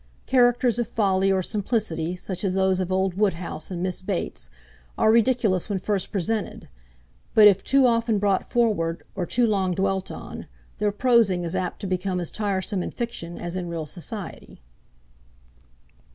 Characters of folly or simplicity, such as those of old Woodhouse and Miss Bates, are ridiculous when first presented, but if too often brought forward, or too long dwelt on, their prosing is apt to become as tiresome in fiction as in real society.'